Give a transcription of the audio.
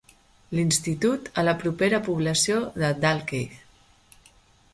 (...) l'institut a la propera població de Dalkeith.